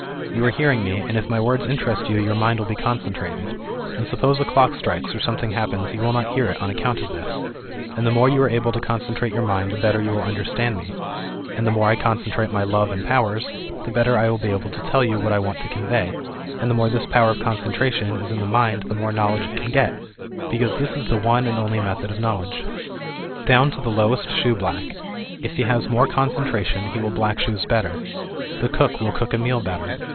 You are hearing me, and if my words interest you your mind will be concentrated, and suppose a clock strikes or something happens you will not hear it on ac count of this, and the more you are able to concentrate your mind the better you will understand me, and the more I concentrate my love and powers the better I will be able to tell you what I want to convey, and the more this power of concentration is in the mind the more knowledge it can get, because this is the one and only method of knowledge. Down to the lowest shoeblack, if he has more concentration he will black shoes better, the cook will cook a meal better.